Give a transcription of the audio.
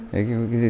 đấy là cái gì đó